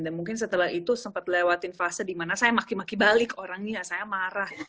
dan mungkin setelah itu sempat lewatin fase di mana saya maki maki balik orangnya saya marah